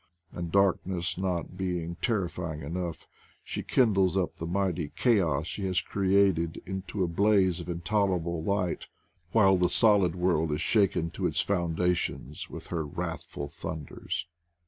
And darkness not be ing terrifying enough, she kindles up the mighty chaos she has created into a blaze of intolerable light, while the solid world is shaken to its foun dations with her wrathful thunders.